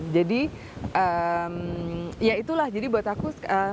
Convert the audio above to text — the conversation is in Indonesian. jadi ya itulah jadi buat aku